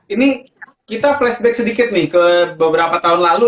ini kita flashback sedikit nih ke beberapa tahun lalu